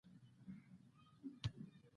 ایا له ملګرو سره ستونزې لرئ؟